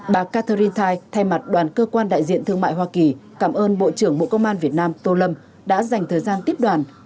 bà catherintine thay mặt đoàn cơ quan đại diện thương mại hoa kỳ cảm ơn bộ trưởng bộ công an việt nam tô lâm đã dành thời gian tiếp đoàn